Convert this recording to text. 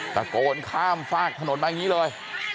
ตะโกนข้ามฝากถนนมาอย่างนี้เลย